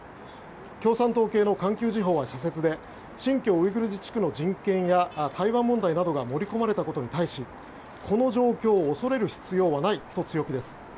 共産党系の環球時報は社説で新疆ウイグル自治区の人権や台湾問題などが盛り込まれたことに対しこの状況を恐れる必要はないと強気です。